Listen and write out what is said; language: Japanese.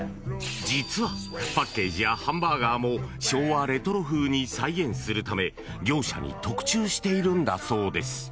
実はパッケージやハンバーガーも昭和レトロ風に再現するため業者に特注しているんだそうです。